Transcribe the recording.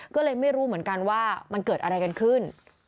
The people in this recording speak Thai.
ก็เลยไม่รู้เหมือนกันว่ามันเกิดอะไรกันขึ้น